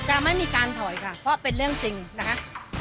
จะไม่มีการถอยค่ะเพราะเป็นเรื่องจริงนะคะ